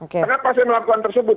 kenapa saya melakukan tersebut